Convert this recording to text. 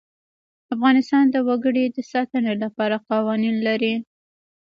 افغانستان د وګړي د ساتنې لپاره قوانین لري.